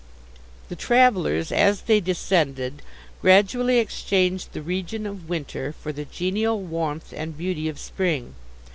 The travellers, as they descended, gradually, exchanged the region of winter for the genial warmth and beauty of spring.